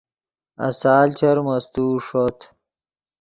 آسال چر مستوؤ ݰوت